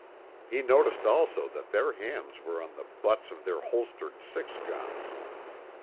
He noticed also that their hands were on the butts of their holstered six guns.